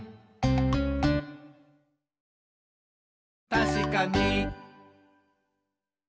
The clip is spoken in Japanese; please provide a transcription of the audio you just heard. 「たしかに！」